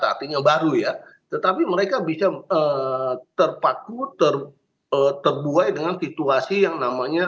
artinya baru ya tetapi mereka bisa terpaku ter terbuai dengan situasi yang namanya